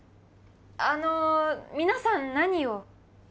あの皆さん何を？